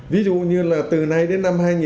ví dụ như là từ nay đến